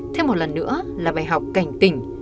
thêm một lần nữa là bài học cảnh tình